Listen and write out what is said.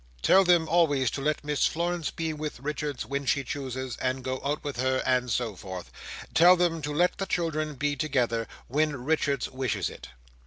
"Tell them always to let Miss Florence be with Richards when she chooses, and go out with her, and so forth. Tell them to let the children be together, when Richards wishes it."